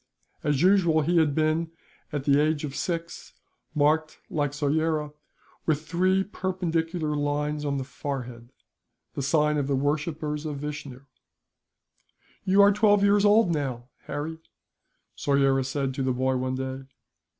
As usual he had been, at the age of six, marked, like Soyera, with three perpendicular lines on the forehead the sign of the worshippers of Vishnu. "You are twelve years old now, Harry," Soyera said to the boy, one day.